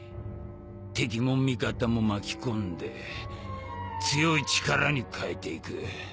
敵も味方も巻き込んで強い力に変えていく。